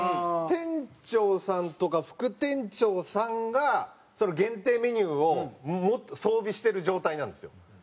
店長さんとか副店長さんが限定メニューを装備してる状態なんですよ。